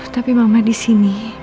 tapi mama disini